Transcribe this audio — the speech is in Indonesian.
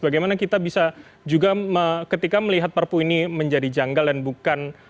bagaimana kita bisa juga ketika melihat perpu ini menjadi jangkauan